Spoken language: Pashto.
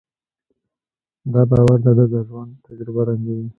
دا باور د ده د ژوند تجربه رنګوي.